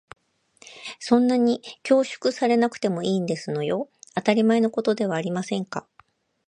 そんなに恐縮されなくてもいいんですのよ。当たり前のことではありませんか。